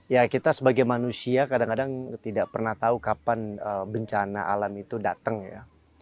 ya kita sebagai manusia kadang kadang tidak pernah tahu kapan bencana alam itu datang ya